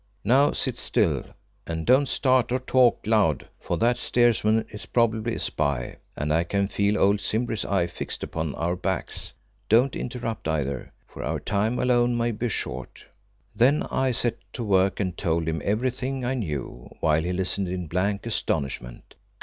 Now sit still, and don't start or talk loud, for that steersman is probably a spy, and I can feel old Simbri's eyes fixed upon our backs. Don't interrupt either, for our time alone may be short." Then I set to work and told him everything I knew, while he listened in blank astonishment.